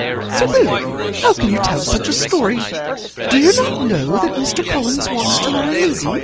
Sir William, how can you tell such a story? Do not you know that Mr. Collins wants to marry Lizzy?"